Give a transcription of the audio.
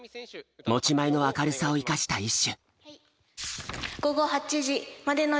持ち前の明るさを生かした一首。